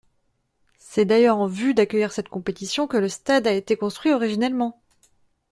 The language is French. C'est d'ailleurs en vue d'accueillir cette compétition que le stade a été construit originellement.